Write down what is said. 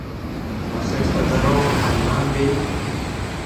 Аха ихадароу ҳаибамбеи…